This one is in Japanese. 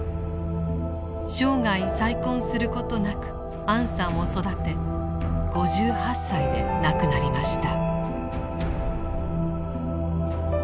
生涯再婚することなくアンさんを育て５８歳で亡くなりました。